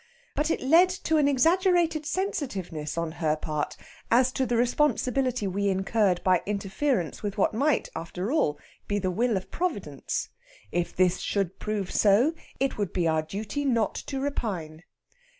But it led to an exaggerated sensitiveness on her part as to the responsibility we incurred by interference with what might (after all) be the Will of Providence. If this should prove so, it would be our duty not to repine.